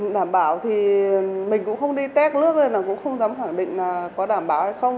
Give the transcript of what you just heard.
đảm bảo thì mình cũng không đi test nước này là cũng không dám khẳng định là có đảm bảo hay không